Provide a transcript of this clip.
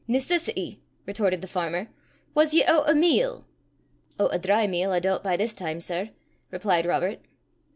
"Necessity!" retorted the farmer. "Was ye oot o' meal?" "Oot o' dry meal, I doobt, by this time, sir," replied Robert.